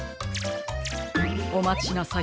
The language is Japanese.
おまちなさい。